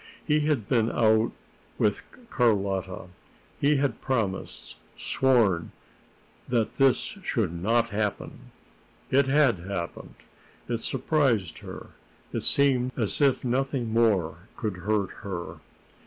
He had been out with Carlotta. He had promised sworn that this should not happen. It had happened. It surprised her. It seemed as if nothing more could hurt her.